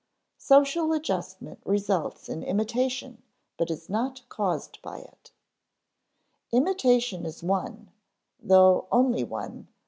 [Sidenote: Social adjustment results in imitation but is not caused by it] Imitation is one (though only one, see p.